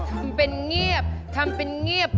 ทำเป็นเงียบทำเป็นเงียบ